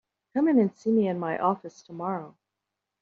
Come in and see me in my office tomorrow.